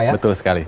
iya betul sekali